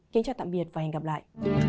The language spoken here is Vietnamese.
kính chào tạm biệt và hẹn gặp lại